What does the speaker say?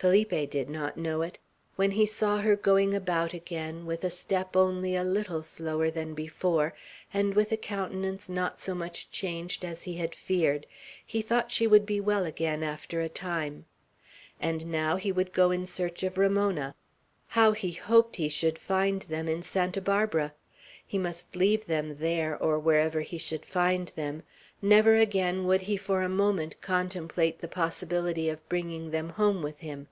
Felipe did not know it. When he saw her going about again, with a step only a little slower than before, and with a countenance not so much changed as he had feared, he thought she would be well again, after a time. And now he would go in search of Ramona. How he hoped he should find them in Santa Barbara! He must leave them there, or wherever he should find them; never again would he for a moment contemplate the possibility of bringing them home with him.